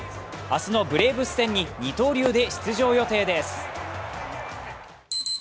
明日のブレーブス戦に二刀流で出場予定です。